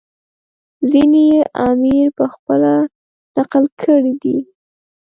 ځینې یې امیر پخپله نقل کړي دي.